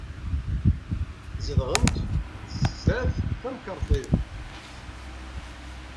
Zedɣent sdat temkarḍit.